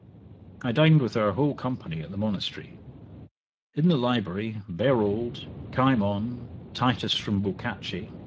I dined with our whole company at the Monastery. In the library,_Beroald_, Cymon, Titus, from Boccace.